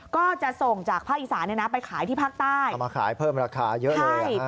ก็จะส่งจากภาคอีสานไปขายที่ภาคใต้เอามาขายเพิ่มราคาเยอะเลย